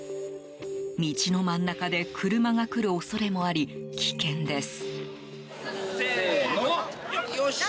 道の真ん中で車が来る恐れもあり危険です。